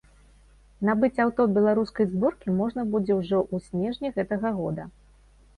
Набыць аўто беларускай зборкі можна будзе ўжо ў снежні гэтага года.